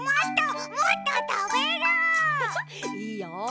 いいよ！